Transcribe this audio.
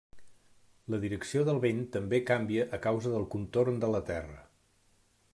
La direcció del vent també canvia a causa del contorn de la terra.